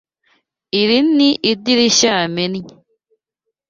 Iri ni idirishya yamennye.